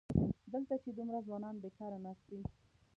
دلته چې دومره ځوانان بېکاره ناست وي.